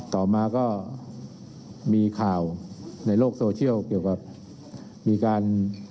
ต่อมาก็มีข่าวในโลกโซเชียลเกี่ยวกับมีการ